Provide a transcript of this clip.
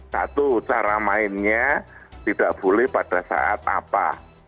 satu cara mainnya tidak boleh pada saat apa